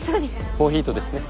モヒートですね。